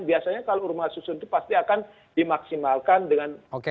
biasanya kalau rumah susun itu pasti akan dimaksimalkan dengan